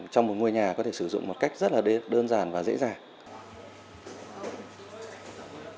trong một ngôi nhà có thể sử dụng một cách rất là đơn giản và dễ dàng